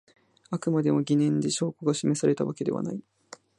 あくまでも疑念で証拠が示されたわけではない